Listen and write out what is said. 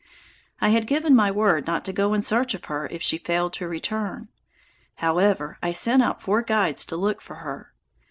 I had given my word not to go in search of her if she failed to return. However, I sent out four guides to look for her.